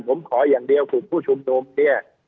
ผมขออย่างเดียวกลุ่มผู้ชุมนุมเนี่ย